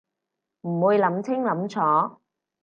唔會諗清諗楚